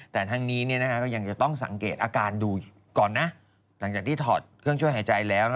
แต่ทั้งนี้ก็ยังจะต้องสังเกตอาการดูก่อนนะหลังจากที่ถอดเครื่องช่วยหายใจแล้ว